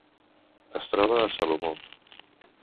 Es troba a Salomó.